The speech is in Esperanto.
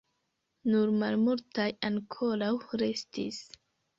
Nur malmultaj ankoraŭ restis.